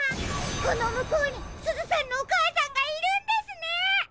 このむこうにすずさんのおかあさんがいるんですね！